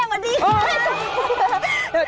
แม่สวัสดีค่ะ